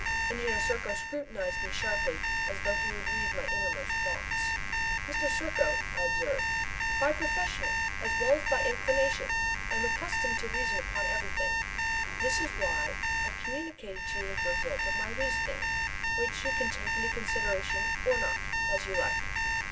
Engineer Serko scrutinized me sharply as though he would read my innermost thoughts. "Mr. Serko," I observed, "by profession, as well as by inclination, I am accustomed to reason upon everything. This is why I communicated to you the result of my reasoning, which you can take into consideration or not, as you like."